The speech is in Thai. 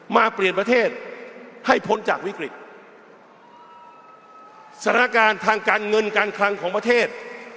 มาเปลี่ยนประเทศให้พ้นจากวิกฤตสถานการณ์ทางการเงินการคลังของประเทศ